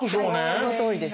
はいそのとおりです。